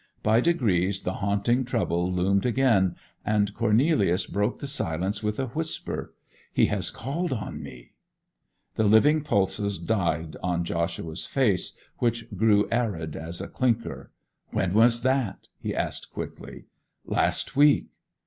By degrees the haunting trouble loomed again, and Cornelius broke the silence with a whisper: 'He has called on me!' The living pulses died on Joshua's face, which grew arid as a clinker. 'When was that?' he asked quickly. 'Last week.